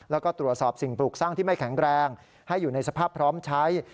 แล้วก็ตรวจสอบสิ่งปลูกสร้างที่ไม่แข็งแรงให้อยู่ในสภาพพร้อมใช้